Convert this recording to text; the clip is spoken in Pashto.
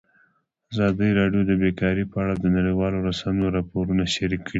ازادي راډیو د بیکاري په اړه د نړیوالو رسنیو راپورونه شریک کړي.